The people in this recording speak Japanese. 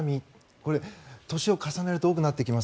これ、年を重ねると多くなってきます。